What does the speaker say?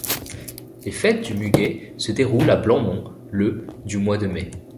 Les Fêtes du Muguet se déroulent à Blanmont le du mois de mai.